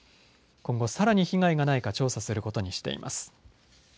今後さらに被害がないか調査することにしています。